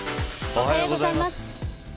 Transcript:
おはようございます。